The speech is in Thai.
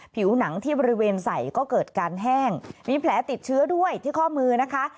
ผิวหนังที่บริเวณใส่ก็เกิดการแห้งมีแผลติดเชื้อด้วยที่ข้อมือนะคะ